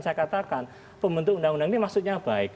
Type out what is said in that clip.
saya katakan pembentuk undang undang ini maksudnya baik